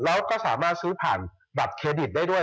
แล้วก็สามารถซื้อผ่านบัตรเครดิตได้ด้วย